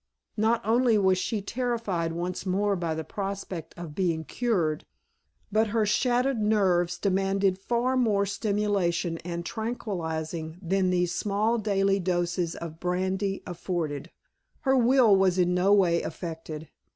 Not only was she terrified once more by the prospect of being "cured," but her shattered nerves demanded far more stimulation and tranquilizing than these small daily doses of brandy afforded. Her will was in no way affected.